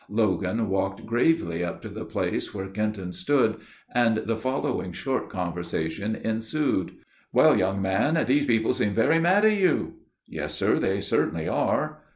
Logan walked gravely up to the place where Kenton stood, and the following short conversation ensued: "Well, young man, these people seem very mad at you?" "Yes, sir, they certainly are."